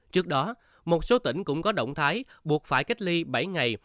trước đó một số tỉnh cũng có động thái buộc phải cách ly bảy ngày